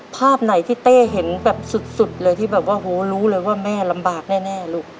ภาพไหนที่เต้เห็นแบบสุดเลยที่แบบว่าโหรู้เลยว่าแม่ลำบากแน่ลูก